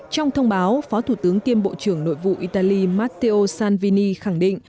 trong thông báo phó thủ tướng tiêm bộ trưởng nội vụ italia matteo salvini khẳng định